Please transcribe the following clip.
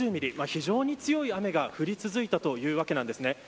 非常に強い雨が降り続いたというわけなんですね。